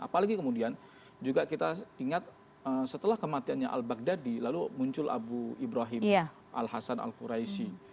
apalagi kemudian juga kita ingat setelah kematiannya al baghdadi lalu muncul abu ibrahim al hasan al quraisi